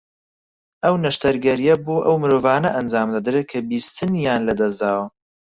ئەو نەشتەرگەرییە بۆ ئەو مرۆڤانە ئەنجامدەدرێت کە بیستنیان لە دەست داوە